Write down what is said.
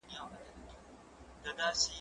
زه مخکي کتابونه ليکلي وو!؟